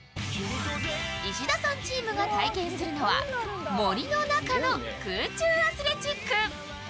石田さんチームが体験するのは森の中の空中アスレチック。